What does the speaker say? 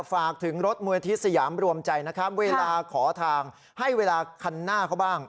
ฝากถึงรถมวยที่สยามรวมใจนะครับเวลาขอทางให้เวลาคันหน้าเขาบ้าง